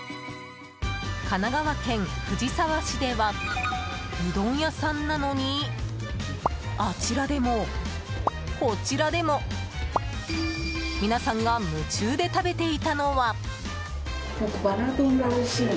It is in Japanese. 神奈川県藤沢市ではうどん屋さんなのにあちらでも、こちらでも皆さんが夢中で食べていたのは。